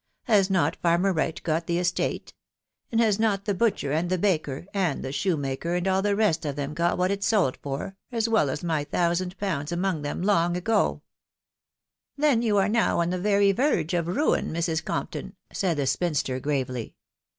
Has not farmer Wright got the estate ? And has not the butcher, and the baker, and the shoemaker, and all the rest of them, got what it sold for, as well as my thousand ^owxda noBg than, long ago?9' THE WIDOW BARNABY. Bf '* Then you are now on the very verge of ruin, Mrs. Comp ton ?" said the spinster gravely.